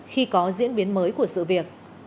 khi có diễn biến mới của sự việc